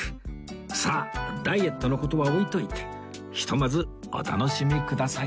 さあダイエットの事は置いといてひとまずお楽しみください